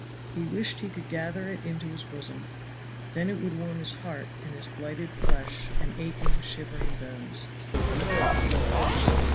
He wished he could gather it into his bosom; then it would warm his heart and his blighted flesh and aching, shivering bones.